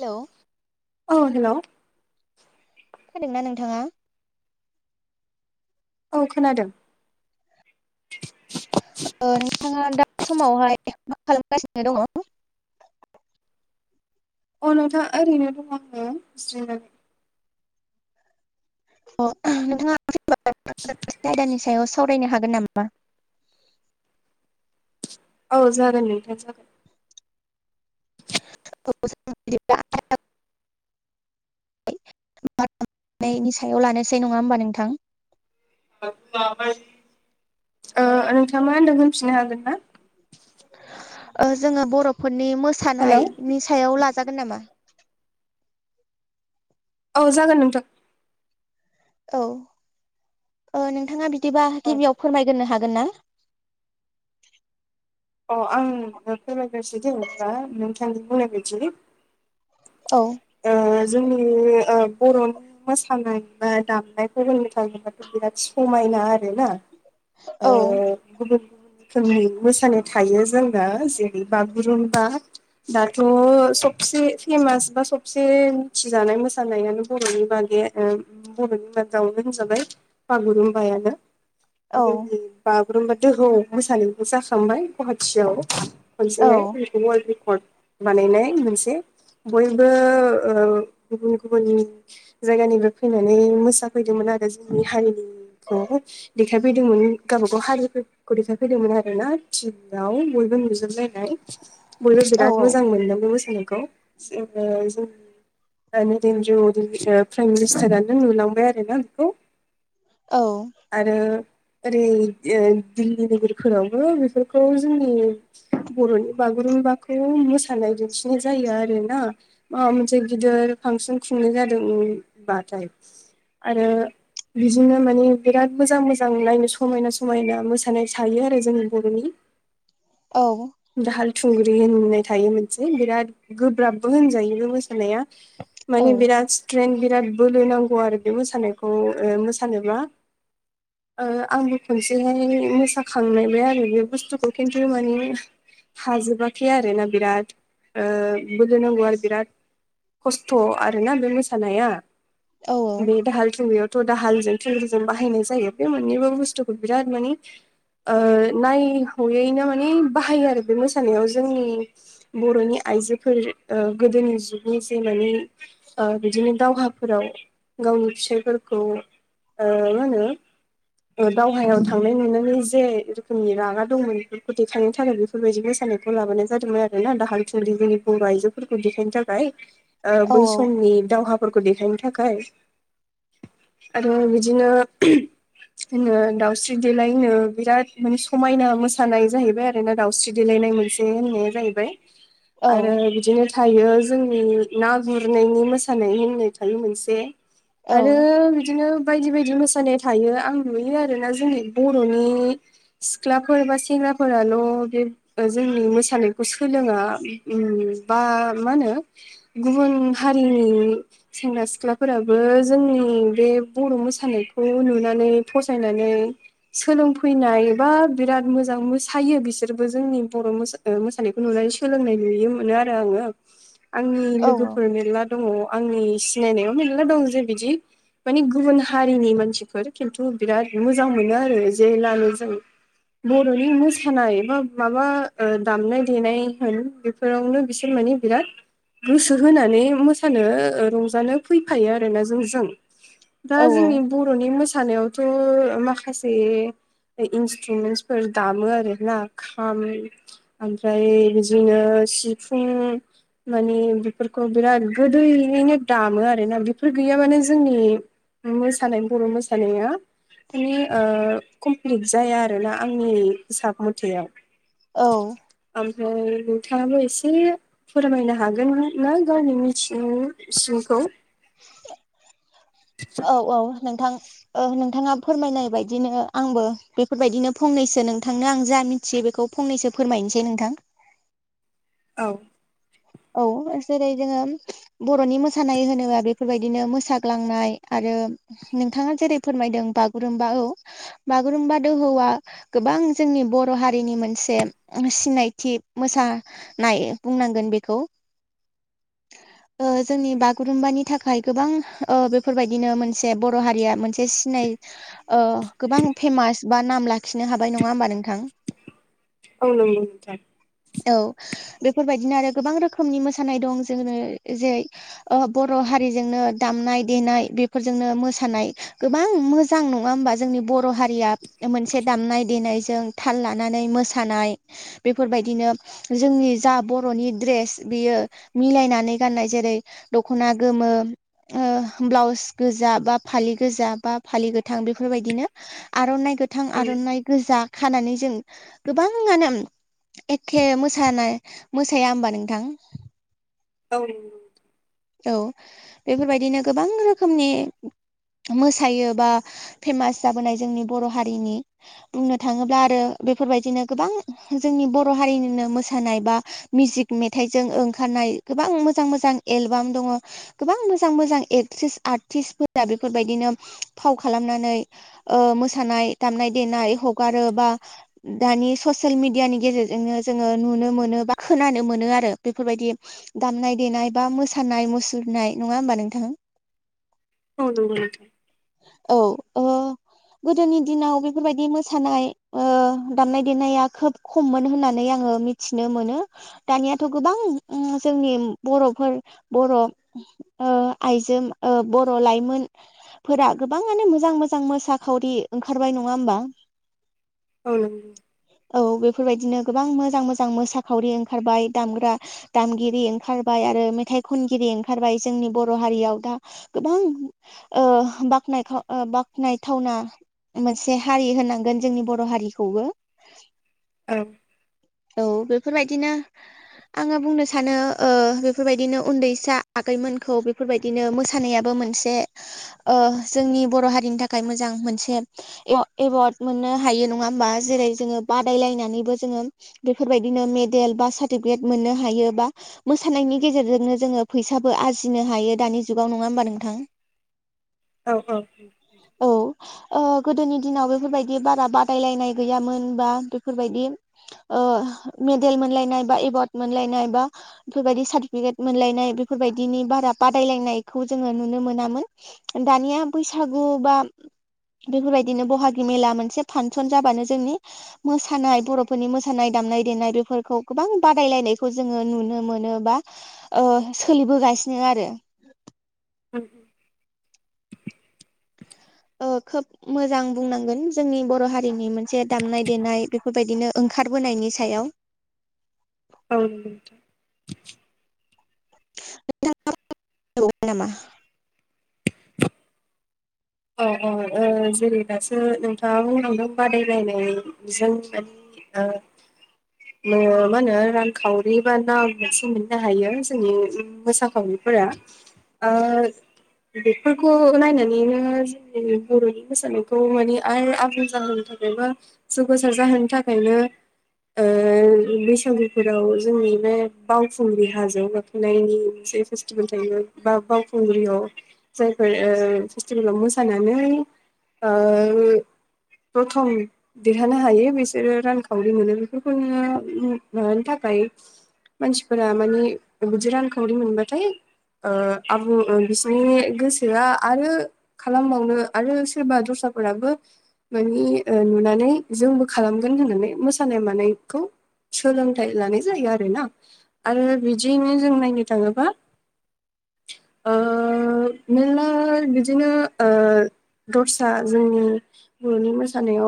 Hello औ hello खोनादोंना नोंथाङा औ खोनादों नोंथाङा दा समावहाय मा खालामगासिनो दङ अ नोंथां ओरैनो दं आंनो जिरायनानै अ नोंथाङा [unintelligible] आयदानि सायाव सावरायनो हागोन नामा औ जागोन नोंथां जागोन औ जों‌ बिदिब्ला [inaudible] [unintelligible] नि सायाव लानोसै नङा होमबा नोंथां [inaudible] ओ नोंथाङा मा होनदों होनफिननो हागोन ना ओ जोङो बर'फोरनि हेलौ मोसानायनि सायाव लाजागोन नामा औ जागोन नोंथां औ ओ नोंथाङा बिदिबा औ गिबियाव फोरमायगोरनो हागोन ना अ आं फोरमायग्रोसै जेनेबा नोंथांनि बुंनाय बायदिनो औ ओ जोंनि ओ बर'नि मोसानाय बा दामनायफोरनि थाखायबाथ' बिराद समायना आरोना औ गुबुनु गुबुन रोखोमनि मोसानाय थायो जोंना जेरै बागुरुम्बा दाथ' सबसे फेमास बा सबसे मिथिजानाय मोसानायानो बर'नि बागै बर'नि मादाव होनजाबाय बागुरुम्बायानो औ जोंनि बागुरुम्बा दोहौ मोसानायबो जाखांबाय गुवाहाटियाव औ खनसेहाय ओरै अवार्ड रेकर्ड बानायनाय मोनसे बयबो ओ गुबुन गुबुन जायगानिफ्राय फैनानै मोसाफैदोंमोन आरो जोंनि हारिनिखौ देखायफैदोंमोन गावबागाव हारिफोरखौ देखायफैदोंमोन आरो ना राव बयबो नुजोबलायनाय बयबो औ बिराद मोजां मोनदों बे मोसानायखौ जोङो जोंनि जोङा नरेन्द्र मदि ओ प्राइम मिनिस्टारानो नुलांबाय आरो ना बेखौ औ आरो ओरै ओ दिल्ली नोगोरफोरावबो बेफोरखौ जोंनि बर'नि बागुरुम्बाखौ मोसानाय दिन्थिनाय जायो आरोना माबा मोनसे गिदोर फांसन खुंनाय जादोंबाथाय आरो बिदिनो माने बिराद मोजां मोजां नायनो समायना समायना मोसानाय थायो आरो जोंनि बर'नि औ दाहाल थुंग्रि होननाय थायो मोनसे बिराद गोब्राबबो होनजायो बे मोसानाया औ मानि बिराद स्ट्रेन् बिराद बोलो नांगौ आरो बे मोसानायखौ ओ मोसानोबा ओ आंबो खनसेहाय मोसाखांनायबाय आरो बे बुस्थुखौ खिन्थु माने [inaudible] हाजोबाखै आरो ना बिराद ओ बोलो नांगौ आरो बिराद खस्थ' आरोना बे मोसानाया औ बे दाहाल थुंगियाव थ' दाहालजों थुंग्रिजों बाहायनाय जायो बे मोननैबो बुस्थुखौ बिराद मानि ओ नायहयैनो माने बाहायो आरो बे मोसानायाव जोंनि बर'नि आइजोफोर ओ गोदोनि जुगनि जि माने ओ बिदिनो दावहाफोराव गावनि फिसायफोरखौ ओ मा होनो ओ दावहायाव थांनाय नुनानै जे रोखोमनि रागा दंमोन बेखौ देखायनो थाखाय बेफोर बायदि मोसानायखौ लाबोनाय जादोंमोन आरोना दाहाल थुंलि जोंनि बर' आइजो फोरखौ देखायनो थाखाय ओ औ बै समनि दावहाफोरखौ देखायनो थाखाय आरो बिदिनो जोङो दाउस्रि देलायनो बिराद माने समायना मोसानाय जाहैबाय आरोना दावस्रि देलायनाय मोनसे होननाया जाहैबाय औ आरो बिदिनो थायो जोंनि ना गुरनायनि मोसानाय होननाय थायो मोनसे। आरो औ बिदिनो बायदि बायदि मोसानाय थायो आं नुयो आरोना जोंनि बर'नि सिख्ला फोरबा सेंग्राफोराल' बे ओ जोंनि मोसानायखौ सोलोङा उम बा मा होनो? गुबुन हारिनि सेंग्रा सिख्लाफोराबो जोंनि बे बर' मोसानायखौ नुनानै फसायनानै सोलोंफैनाय बा बिराद मोजां मोसायो बिसोरबो जोंनि बर' मो ओ मोसानायखौ नुनानै सोलोंनाय नुय मोनो आरो आङो [inaudible] आंनि लोगोफोर मेरला दङ' आंनि सिनायनायाव मेरला दं जे बिदि मानि गुबुन हारिनि मानसिफोर खिन्थु बिराद मोजां मोनो आरो जेलानो जों बर'नि मोसानाय बा माबा दामनाय देनाय होन फोरावनो बिसोर माने बिराद गोसो होनानै मोसानो रंजानो फैफायो आरोना जोंजों। दा औ जोंनि बर'नि मोसानायाव माखासे इन्सट्रुमेन्ट फोर दामो आरो ना खाम ओमफ्राय बिदिनो सिफुं मानि बेफोरखौ बिराद गोदैयैनो दामो आरोना बेफोर गैया माने जोंनि मोसानाय बर' मोसानाया माने ओ कमप्लिट जाया आरोना आंनि हिसाब मथेवाव। औ ओमफ्राय नोंथाङाबो एसे फोरमायनो हागोन ना गावनि मिथि सिंखौ औ औ नोंथां नोंथाङा फोरमायनाय बायदिनो आंबो बेफोरबायदिनो फंनैसो नोंथांनो आं जा मिथि थि बेखौ फंनैसो फोरमायनोसै नोंथां। औ औ जेरै जोङो बर'नि मोसानाय होनोबा बेफोरबायदिनो मोसाग्लांनाय आरो नोंथाङा जेरै फोरमायदों बागुरुम्बा औ बागुरुम्बा दोहौआ गोबां जोंनि बर' हारिनि मोनसे सिनायथि मोसा नाय बुंनांगोन बेखौ। ओ जोंनि बागुरुमबानि थाखाय गोबां ओ बेफोरबायदिनो मोनसे बर' हारिया मोनसे सिनाय गोबां फेमास बा नाम लाखिनो हाबाय नङा होमबा नोंथां? औ नंगौ नोंथां। औ बेफोरबायदिनो आरो गोबां रोखोमनि मोसानाय दं जोङो जेरै बर' हारिजोंनो दामनाय देनाय बेफोरजोंनो मोसानाय गोबां मो मोजां नङा होमबा जोंनि बर' हारिया मोनसे दामनाय देनायजों थाल लानानै मोसानाय बेफोरबायदिनो जोंनि जा बर'नि द्रेस बियो मिलायनानै गाननाय जेरै दख'ना गोमो ओ ब्लाउस गोजा बा फालि गोजा बा फालि गोथां बेफोरबायदिनो आर'नाइ गोथां उम आर'नाइ गोजा खानानै जों गोबाङानो एखे मोसानाय मोसाया होनबा नोंथां? औ औ बेफोरबायदिनो गोबां रोखोमनि मोसायो बा फेमास जाबोनाय जोंनि बर' हारिनि बुंनो थाङोब्ला आरो बेफोरबायदिनो गोबां जोंनि बर' हारिनिनो मोसानाय बा मिउजिक मेथाइजों ओंखारनाय गोबां मोजां मोजां एलबाम दङ गोबां मोजां मोजां एक्ट्रिस आर्टिस्टफोरा बेफोरबायदिनो फाव खालामनानै मोसानाय दामनाय देनाय हगारो बा दानि ससियेल मिडियानि गेजेरजोंनो जोङो नुनो मोनो बा खोनानो मोनो आरो बेफोरबायदि दामनाय देनाय बा मोसानाय मुसुरनाय नङा होमबा नोंथां औ नंगौ नोंथां औ अ गोदोनि दिनाव बेफोरबायदि मोसानाय दामनाय देनाया खोब खममोन होननानै आङो मिथिनो मोनो दानियाथ' गोबां जोंनि बर'फोर बर' आइजो बर' लाइमोन फोर गोबां मानो मोजां मोजां मोसाखावरि ओंखारबाय नङा होमबा औ औ बेफोरबायदिनो गोबां मोजां मोजां मोसाखावरि ओंखारबाय दामग्रा दामगिरि ओंखारबाय आरो मेथाइ खनगिरि ओंखारबाय जोंनि बर' हारियाव दा गोबां बाखनाय बाख्नायथावना मोनसे हारि होनांगोन जोंनि बर' हारिखौबो औ औ बेफोरबायदिनो आङो बुंनो सानो बेफोरबायदिनो उन्दैसा आगैमोनखौ बेफोरबायदि बिदिनो मोसानायाबो मोनसे जोंनि बर' हारिनि थाखाय मोजां मोनसे एवार्ड मोननो हायो नङा होमबा जेरै जोङो बादायलायनानैबो जोङो बेफोरबायदिनो मेडेल बा सार्टिफिकेट मोननो हायो बा मोसानायनि गेजेरजोंनो जोङो फैसाबो आरजिनो हायो दानि जुगाव नङा होमबा नोंथां औ औ औ गोदोनि दिनाव बेफोरबायदि बारा बादायलायनाय गैयामोन बा बेफोरबायदि मेडेल मोनलायनाय बा एवार्ड मोनलायनाय बा बेफोरबायदि सार्टिफिकेट मोनलायनाय बेफोरबायदिनि बारा बादायलायनायखौ जोङो नुनो मोनामोन दानिया बैसागु बा बेफोरबायदिनो बहागि मेला मोनसे फांसन जाबानो जोंनि मोसानाय बर'फोरनि मोसानाय दामनाय देनाय बेफोरखौ गोबां बादायलायनायखौ जोङो नुनो मोनो बा सोलिबोगासिनो आरो उ [inaudible] अ खोब मोजां बुंनांगोन जोंनि बर' हारिनि मोनसे दामनाय देनाय बेफोरबायदिनो ओंखारबोनायनि सायाव औ नोंथाङ नामा अ अ जेरै दासो नोंथाङा बुंलांदों बादायलायनाय जों [unintelligible] [inaudible] मा होनो रांखावरि बा ना मोनसे मोननो हायो जोंनि मोसाखावरिफोरा बेफोरखौ नायनानैनो जोंनि बर'नि मोसानायखौ माने आ आबुं जाहोनो थाखायबा जौगासार जाहोनो थाखायनो बैसागुफोराव जोंनि बे बावखुंग्रि हाजो नायनि मोनसे फेस्टिभेल थायो बा बावखुंग्रियाव जायफोर फेस्टिभेलाव मोसानानै। प्रथम देरहानो हायो बिसोरो रांखावरि मोनो बेफोरखौ नोङो माबानो थाखाय। मानसिफोरा मानिे बिदि रांखावरि मोनबाथाय आबुं बिसोरनि गोसोआ आरो खालामबावनो आरो सोरबा दस्राफोराबो मानि नुनानै जोंबो खालामगोन होननानै मोसानाय मानायखौ सोलोंथाइ लानाय जायो आरोना आरो बिदिैनो जों नायनो थाङोबा। मेर्ला बिदिनो दस्रा जोंनि बर'नि मोसानायाव